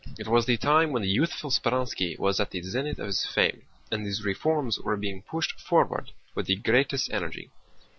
It was the time when the youthful Speránski was at the zenith of his fame and his reforms were being pushed forward with the greatest energy.